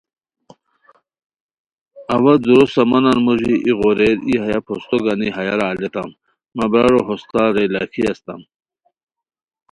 اوا دُورو سامانن موژی ای غوریر ای ہیہ پھوستو گانی ہیارا التیام مہ برارو ہوستار رے لاکھی استام